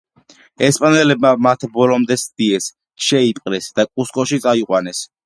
ესპანელებმა მათ ბოლომდე სდიეს, შეიპყრეს და კუსკოში წაიყვანეს.